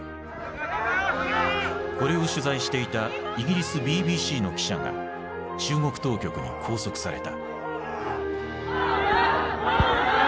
これを取材していたイギリスＢＢＣの記者が中国当局に拘束された。